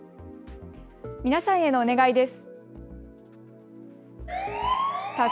皆さんへのお願いです。